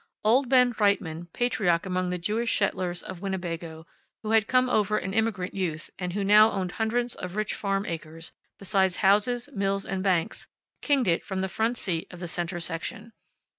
Old Ben Reitman, patriarch among the Jewish settlers of Winnebago, who had come over an immigrant youth, and who now owned hundreds of rich farm acres, besides houses, mills and banks, kinged it from the front seat of the center section.